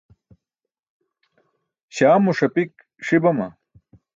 śaamo ṣapik ṣi bama?